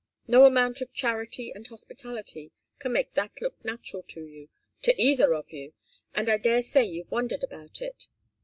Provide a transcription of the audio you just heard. No amount of charity and hospitality can make that look natural to you, to either of you, and I daresay you've wondered about it.